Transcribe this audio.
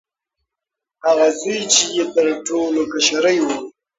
هغه زوى چي يې تر ټولو كشرى وو .